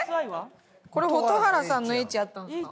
これ蛍原さんの「Ｈ」やったんですか？